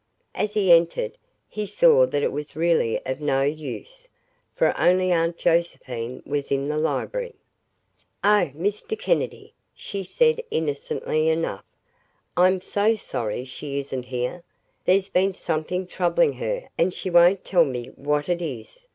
As he entered, he saw that it was really of no use, for only Aunt Josephine was in the library. "Oh, Mr. Kennedy," she said innocently enough, "I'm so sorry she isn't here. There's been something troubling her and she won't tell me what it is.